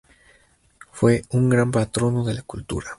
Fue un gran patrono de la cultura.